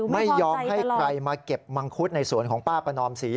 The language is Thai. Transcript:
ไม่ยอมให้ใครมาเก็บมังคุดในสวนของป้าประนอมศรี